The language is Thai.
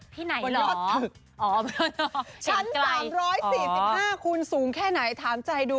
ที่ไหนเหรอพันละถึกชั้น๓๔๕คูณสูงแค่ไหนถามใจดู